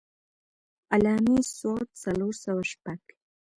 علّامي ص څلور سوه شپږ.